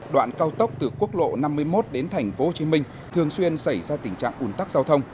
đoạn cao tốc từ quốc lộ năm mươi một đến tp hcm thường xuyên xảy ra tình trạng ủn tắc giao thông